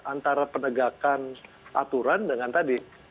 antara penegakan aturan dengan tadi